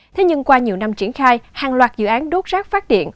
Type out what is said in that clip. thế nhưng qua nhiều năm triển khai hàng loạt dự án đốt rác phát điện